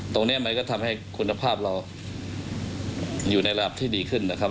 ตรงนี้มันก็ทำให้คุณภาพเราอยู่ในระดับที่ดีขึ้นนะครับ